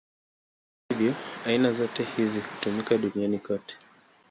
Hata hivyo, aina zote hizi hutumika duniani kote.